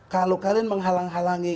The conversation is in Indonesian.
kalau kalian menghalang halangi